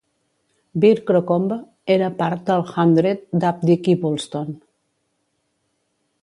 Beer Crocombe era part del "hundred" d'Abdick i Bulstone.